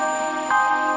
kamu tuh tak tahu ahmad